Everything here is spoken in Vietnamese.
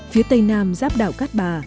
phía tây nam giáp đảo cát bà